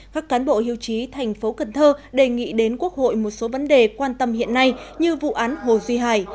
các cán bộ hưu trí thành phố cần thơ đề nghị đến quốc hội một số vấn đề quan tâm hiện nay như vụ án hồ duy hải